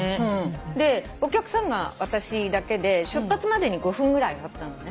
でお客さんが私だけで出発までに５分ぐらいあったの。